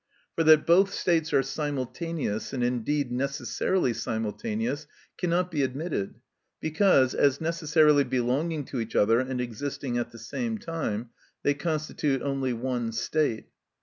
For that both states are simultaneous, and indeed necessarily simultaneous, cannot be admitted, because, as necessarily belonging to each other and existing at the same time, they constitute only one state.